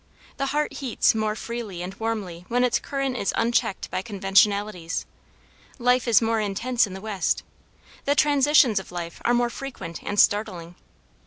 The heart heats more freely and warmly when its current is unchecked by conventionalities. Life is more intense in the West. The transitions of life are more frequent and startling.